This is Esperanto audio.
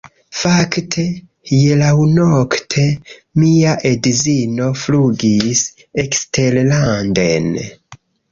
Fakte, hieraŭnokte mia edzino flugis eksterlanden